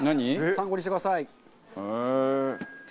参考にしてください。